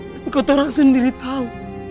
tapi katorang sendiri tahu